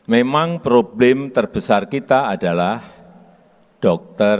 memang problem terbesar kita adalah dokter